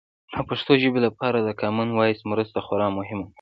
د پښتو ژبې لپاره د کامن وایس مرسته خورا مهمه ده.